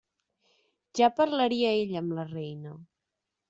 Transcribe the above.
Ja parlaria ella amb la reina.